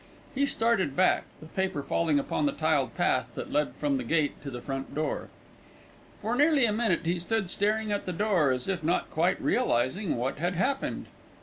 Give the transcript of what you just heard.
He started back, the paper falling upon the tiled path that led from the gate to the front door. For nearly a minute he stood staring at the door, as if not quite realising what had happened.